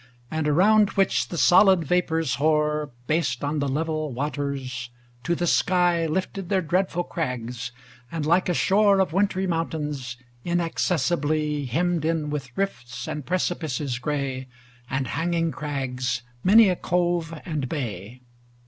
And around which the solid vapors hoar, Based on the level waters, to the sky Lifted their dreadful crags, and, like a shore Of wintry mountains, inaccessibly Hemmed in, with rifts and precipices gray And hanging crags, many a cove and bay.